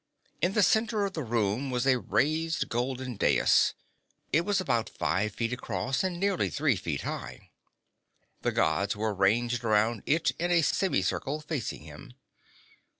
In the center of the room was a raised golden dais. It was about five feet across and nearly three feet high. The Gods were ranged around it in a semicircle, facing him.